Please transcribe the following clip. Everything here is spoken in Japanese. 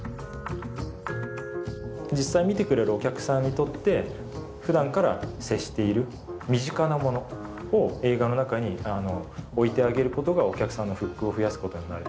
実際見てくれるお客さんにとってふだんから接している身近なものを映画の中に置いてあげることがお客さんのフックを増やすことになる。